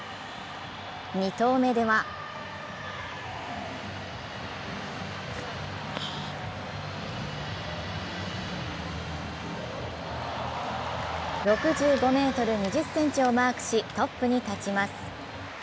２投目では６５ｍ２０ｃｍをマークしトップに立ちます。